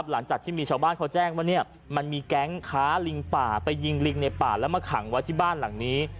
หลังจากที่มีชาวบ้านเขาแจ้งว่ามันมีแก๊งค้าลิงป่าไปยิงลิงในป่าแล้วมาขังไว้ที่บ้านหลังนี้